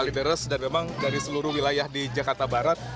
kalideres dan memang dari seluruh wilayah di jakarta barat